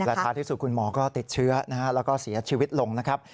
แต่ท้ายที่สุดคุณหมอก็ติดเชื้อนะฮะแล้วก็เสียชีวิตลงนะครับ